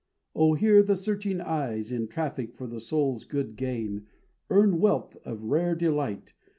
O, here the searching eyes In traffic for the soul's good gain Earn wealth of rare delight.